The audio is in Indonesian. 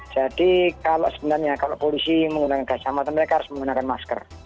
jadi sebenarnya kalau polisi menggunakan gas air mata mereka harus menggunakan masker